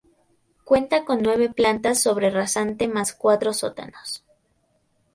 Cuenta con nueve plantas sobre rasante más cuatro sótanos.